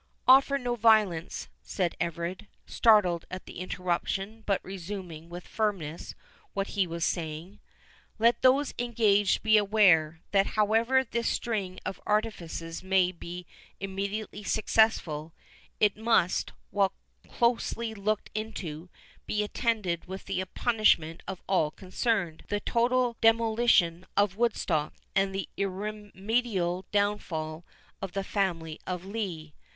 "Offer no violence," said Everard, startled at the interruption, but resuming with firmness what he was saying—"Let those engaged be aware, that however this string of artifices may be immediately successful, it must, when closely looked into, be attended with the punishment of all concerned—the total demolition of Woodstock, and the irremediable downfall of the family of Lee.